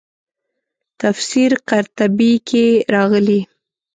تفسیر قرطبي کې راغلي.